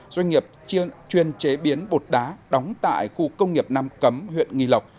doanh nghiệp chuyên chế biến bột đá đóng tại khu công nghiệp nam cấm huyện nghi lộc